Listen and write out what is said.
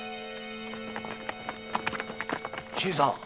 新さん